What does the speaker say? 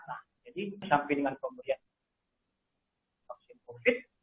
nah jadi sampai dengan pemberian vaksin covid sembilan belas